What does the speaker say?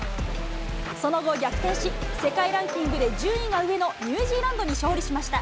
その後、逆転し、世界ランキングで順位が上のニュージーランドに勝利しました。